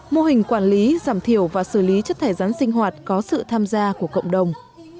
mô hình quản lý giảm thiểu và xử lý chất thải rắn sinh hoạt có sự tham gia của cộng đồng